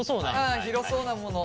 ああ広そうなもの。